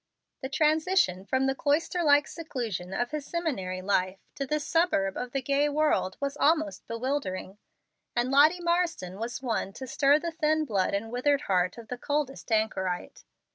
The transition from the cloister like seclusion of his seminary life to this suburb of the gay world was almost bewildering; and Lottie Marsden was one to stir the thin blood and withered heart of the coldest anchorite.